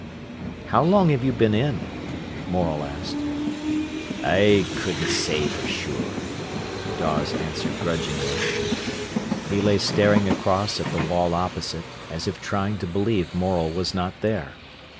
"How long have you been in?" Morel asked. "I couldn't say for sure," Dawes answered grudgingly. He lay staring across at the wall opposite, as if trying to believe Morel was not there.